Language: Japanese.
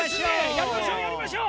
やりましょうやりましょう！